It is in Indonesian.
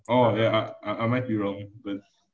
oh ya i might be wrong but